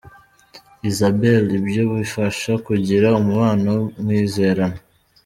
Isabelle : Ibyo bifasha kugira umubano mwizerana.